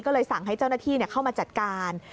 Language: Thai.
ก็เลยสั่งให้เจ้าหน้าที่เข้ามาจัดการ